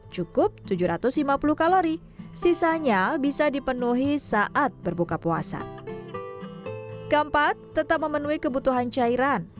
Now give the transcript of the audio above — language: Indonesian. cukup tujuh ratus lima puluh kalori sisanya bisa dipenuhi saat berbuka puasa keempat tetap memenuhi kebutuhan cairan